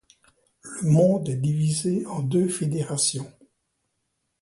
Le monde est divisé en deux fédérations.